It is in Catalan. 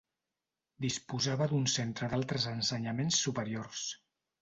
Disposava d'un centre d'altres ensenyaments superiors.